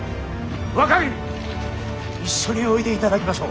若君一緒においでいただきましょう。